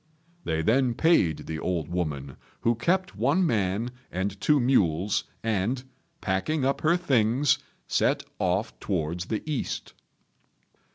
They then paid the old woman, who kept one man and two mules, and, packing up her things, set off towards the east.